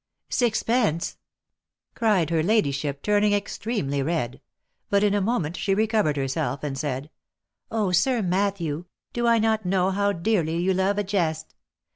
" Sixpence !" cried her ladyship, turning extremely red, — but in a moment she recovered herself and said :" Oh ! Sir Matthew ! do I not know how dearly you love a jest